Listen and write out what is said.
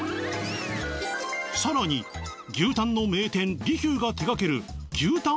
さらに牛タンの名店利久が手がける牛たん